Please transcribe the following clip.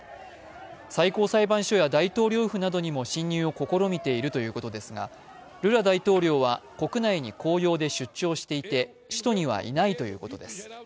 最高裁判所や大統領府などにも侵入を試みているということですがルラ大統領は国内に公用で出張していて首都にはいないということです。